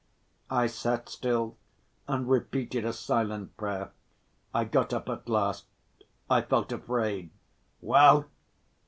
I sat still and repeated a silent prayer. I got up at last, I felt afraid. "Well?"